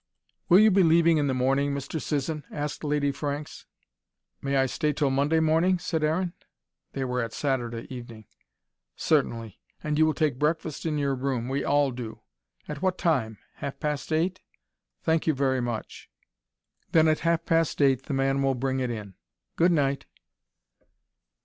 "Will you be leaving in the morning, Mr. Sisson?" asked Lady Franks. "May I stay till Monday morning?" said Aaron. They were at Saturday evening. "Certainly. And you will take breakfast in your room: we all do. At what time? Half past eight?" "Thank you very much." "Then at half past eight the man will bring it in. Goodnight."